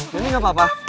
nenek gak apa apa